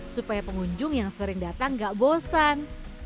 supaya pengunjung yang sering datang gak bosan